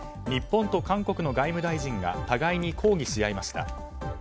日本と韓国の外務大臣が互いに抗議し合いました。